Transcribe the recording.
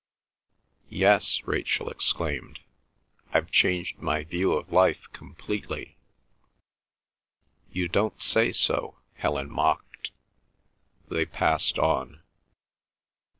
"Yes!" Rachel exclaimed. "I've changed my view of life completely!" "You don't say so!" Helen mocked. They passed on.